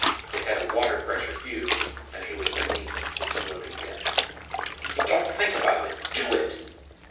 It had a water pressure fuse, and he was beneath exploding depth. _Don't think about it! Do it!